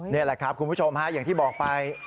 นี่แหละครับคุณผู้ชมฮะอย่างที่บอกไป